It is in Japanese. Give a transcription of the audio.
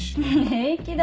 平気だよ。